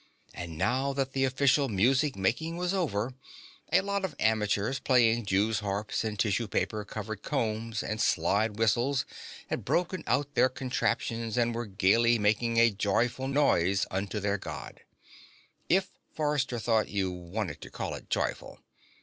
And now that the official music making was over, a lot of amateurs playing jews' harps and tissue paper covered combs and slide whistles had broken out their contraptions and were gaily making a joyful noise unto their God. If, Forrester thought, you wanted to call it joyful.